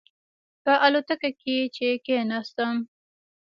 په الوتکه کې چې کېناستم.